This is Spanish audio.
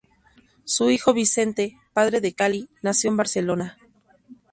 Su hijo Vicente, padre de Cali, nació en Barcelona.